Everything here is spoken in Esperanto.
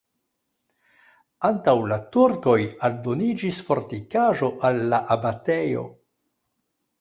Antaŭ la turkoj aldoniĝis fortikaĵo al la abatejo.